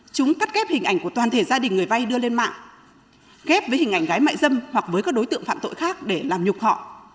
chúng cắt ghép hình ảnh của toàn thể gia đình người vay đưa lên mạng kép với hình ảnh gái mại dâm hoặc với các đối tượng phạm tội khác để làm nhục họ